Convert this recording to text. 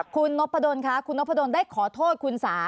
คุณนกพะโดนค่ะคุณนกพะโดนได้ขอโทษคุณสา